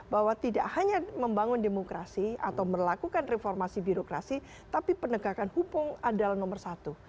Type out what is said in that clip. bahwa tidak hanya membangun demokrasi atau melakukan reformasi birokrasi tapi penegakan hukum adalah nomor satu